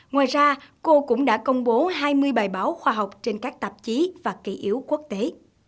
ngoài ra cô cũng đã công bố hai mươi bài báo khoa học trên các tạp chí và kỷ yếu quốc tế